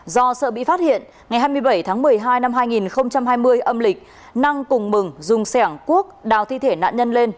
do sợ bị phát hiện ngày hai mươi bảy tháng một mươi hai năm hai nghìn hai mươi âm lịch năng cùng mừng dùng sẻng cuốc đào thi thể nạn nhân lên